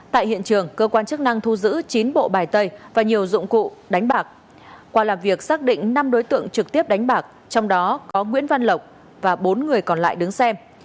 tại hiện trường cơ quan chức năng thu giữ chín bộ bài tay và nhiều dụng cụ đánh bạc qua làm việc xác định năm đối tượng trực tiếp đánh bạc trong đó có nguyễn văn lộc và bốn người còn lại đứng xem